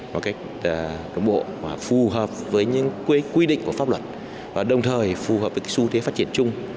và phù hợp với những quy định của pháp luật và đồng thời phù hợp với xu thế phát triển chung